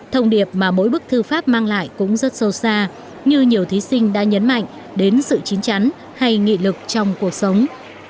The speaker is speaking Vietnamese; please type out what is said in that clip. thông điệp mà mỗi bức thư pháp mang lại cũng rất sâu xa như nhiều thí sinh đã nhấn mạnh đến sự chín chắn hay nghị lực trong cuộc sống